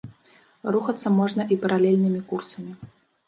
Рухацца можна і паралельнымі курсамі.